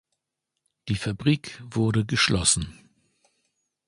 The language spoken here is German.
Die Fabrik wurde geschlossen.